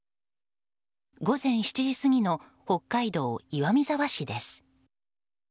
午前７時過ぎの北海道岩見沢市です。